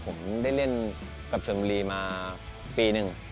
ผมได้เล่นกับชนบุรีมาปีหนึ่ง